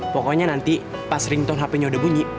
pokoknya nanti pas ringtone hpnya udah bunyi